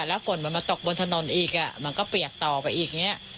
แล้วฝนมันมาตกบนถนนอีกมันก็เปียกต่อไปอีกเนี่ย